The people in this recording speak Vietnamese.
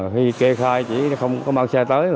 khi kê khai chỉ không có mang xe tới